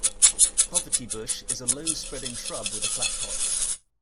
Poverty bush is a low, spreading shrub with a flat top.